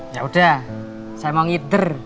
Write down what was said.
ya udah saya mau ngiter